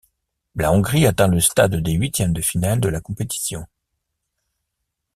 La Hongrie atteint le stade des huitièmes de finale de la compétition.